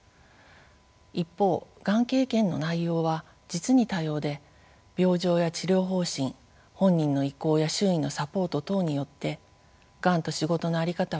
一方がん経験の内容は実に多様で病状や治療方針本人の意向や周囲のサポート等によってがんと仕事の在り方は大きく変わります。